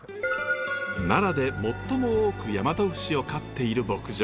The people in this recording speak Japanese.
奈良で最も多く大和牛を飼っている牧場。